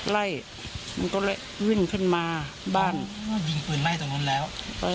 ไล่มันก็เลยวิ่งขึ้นมาบ้านยิงปืนไล่ตรงนู้นแล้ว